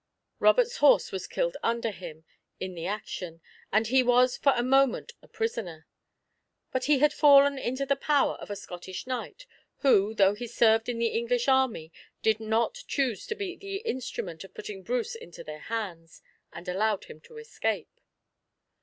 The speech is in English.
Robert's horse was killed under him in the action, and he was for a moment a prisoner. But he had fallen into the power of a Scottish knight, who, though he served in the English army, did not choose to be the instrument of putting Bruce into their hands, and allowed him to escape.